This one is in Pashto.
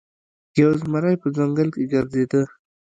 یو زمری په ځنګل کې ګرځیده.